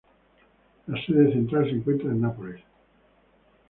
La sede central se encuentra en Nápoles.